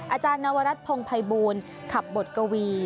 อาจารย์นวรัฐพงภัยบูลขับบทกวี